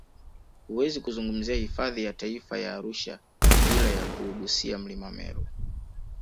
Huwezi kuzungumzia hifadhi ya taifa ya Arusha bila ya kuugusia mlima Meru